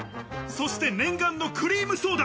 そして念願のクリームソーダ。